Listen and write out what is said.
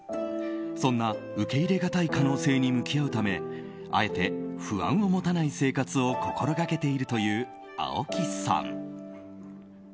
そんな受け入れがたい可能性に向き合うためあえて不安を持たない生活を心がけているという青木さん。